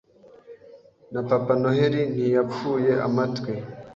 Na papa Noheli ntiyapfuye amatwi